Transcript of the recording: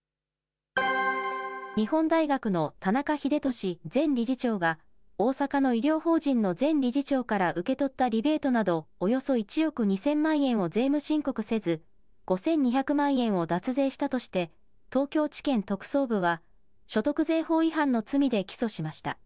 日本大学の田中英壽前理事長が、大阪の医療法人の前理事長から受け取ったリベートなど、およそ１億２０００万円を税務申告せず、５２００万円を脱税したとして、東京地検特捜部は所得税法違反の罪で起訴しました。